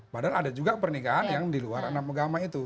padahal ada juga pernikahan yang di luar enam agama itu